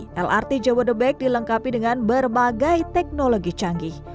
diperlukan perusahaan yang berbeda untuk membuat perjalanan dengan lebih cepat